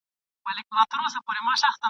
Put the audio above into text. پېغلي به په جګړه کي شاملي وي.